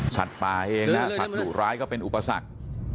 สัตว์ปลาเองนะฮะสัตว์หลู่ร้ายก็เป็นอุปสรรค